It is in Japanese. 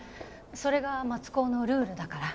それが松高のルールだから。